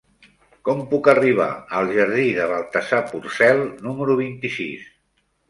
Com puc arribar al jardí de Baltasar Porcel número vint-i-sis?